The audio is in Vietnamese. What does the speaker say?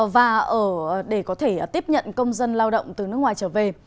và ở để có thể tiếp nhận công dân lao động từ nước ngoài trở về